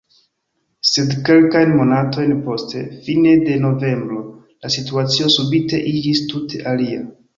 Sed kelkajn monatojn poste, fine de novembro, la situacio subite iĝis tute alia.